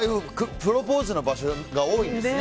プロポーズの場所なんですね。